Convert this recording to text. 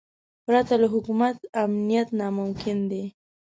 پرته له حکومت امنیت ناممکن دی.